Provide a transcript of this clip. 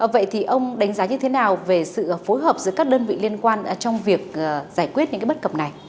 vậy thì ông đánh giá như thế nào về sự phối hợp giữa các đơn vị liên quan trong việc giải quyết những cái bất cập này